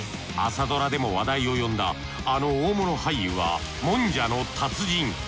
朝ドラでも話題を呼んだあの大物俳優はもんじゃの達人。